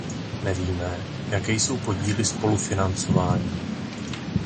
Nevíme, jaké jsou podíly spolufinancování.